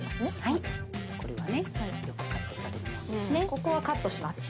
ここはカットします。